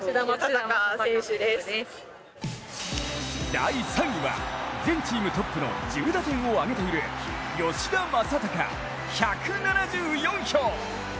第３位は、全チームトップの１０打点を挙げている吉田正尚、１７４票。